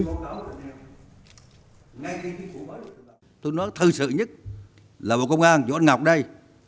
nguyên sự nhất là một công an như ông ngọc đây